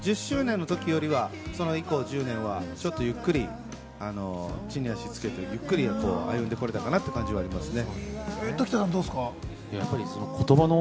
でも１０周年のときよりは、その以降の１０年はちょっとゆっくり地に足つけてゆっくり歩んでこれたかなという感じはありますね。